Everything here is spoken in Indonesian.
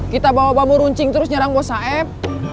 kita bawa bambu runcing terus nyerang bos aep